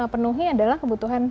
penuhi adalah kebutuhan